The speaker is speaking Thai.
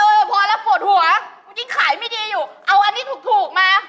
อันนี่ถูกสุดอันนี้ถูกกว่า